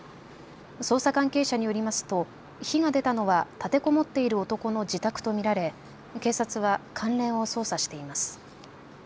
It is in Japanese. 捜査関係者によりますと火が出たのは立てこもっている男の自宅と見られ警察は関連を捜査しています。